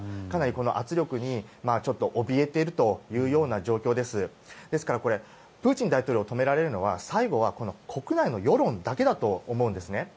かなり圧力におびえているというような状況ですがプーチン大統領を止められるのは最後は国内の世論だけだと思うんです。